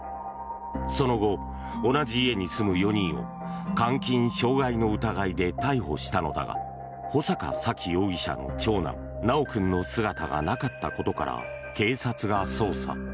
その後、同じ家に住む４人を監禁・傷害の疑いで逮捕したのだが穂坂沙喜容疑者の長男・修君の姿がなかったことから警察が捜査。